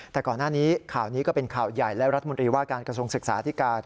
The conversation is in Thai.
แต่ก่อนหน้านี้ข่านี้ก็เป็นข่าวใหญ่และรัฐมทรีย์ว่ากรกศศึกษาธิการ